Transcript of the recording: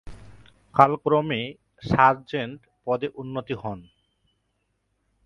কালক্রমে তিনি 'সার্জেন্ট' পদে উন্নীত হন।